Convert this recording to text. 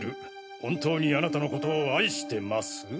本当にあなたのことを愛してます」？